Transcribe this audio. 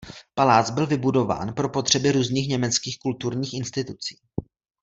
Palác byl vybudován pro potřeby různých německých kulturních institucí.